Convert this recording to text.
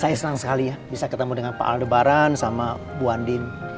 saya senang sekali ya bisa ketemu dengan pak aldo baran sama bu andin